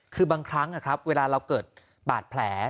คือบางครั้งเวลาเราเกิดบาดแผล